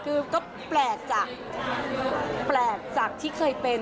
คือก็แปลกจากที่เคยเป็น